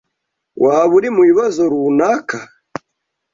Waba uri mubibazo runaka?